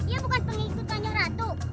dia bukan pengikutforan ratu